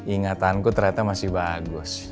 ingatanku ternyata masih bagus